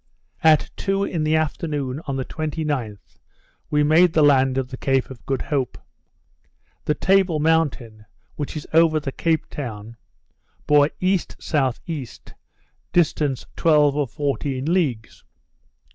At two in the afternoon on the 29th, we made the land of the Cape of Good Hope. The Table Mountain, which is over the Cape Town, bore E.S.E., distance twelve or fourteen leagues.